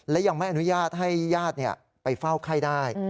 และยังไม่อนุญาตให้ญาติไปเฝ้าไข้ได้